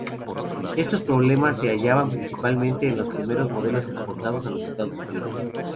Estos problemas se hallaban principalmente en los primeros modelos exportados a los Estados Unidos.